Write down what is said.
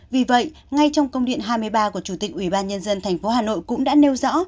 vì vậy ngay trong công điện hai mươi ba của chủ tịch ubnd tp hà nội cũng đã nêu rõ